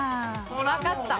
わかった。